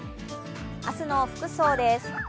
明日の服装です。